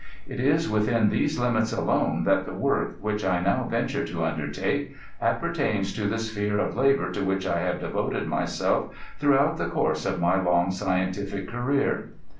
It is within these limits alone that the work, which I now venture to undertake, appertains to the sphere of labor to which I have devoted myself throughout the course of my long scientific career.